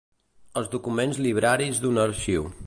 Els documents libraris d'un arxiu.